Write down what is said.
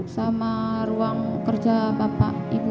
sama ruang kerja bapak ibu